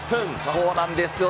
そうなんですよ。